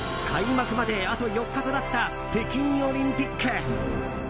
開幕まで、あと４日となった北京オリンピック。